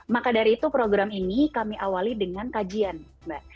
maka dari itu program ini kami awali dengan kajian mbak